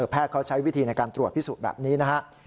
เขาใช้วิธีในการตรวจพิสูจน์แบบนี้นะครับ